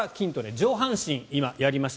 上半身、今やりました。